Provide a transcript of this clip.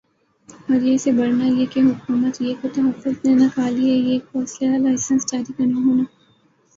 اور یِہ سے بڑھنا یِہ کہ حکومت یِہ کو تحفظ دینا کا لئے یِہ کو اسلحہ لائسنس جاری کرنا ہونا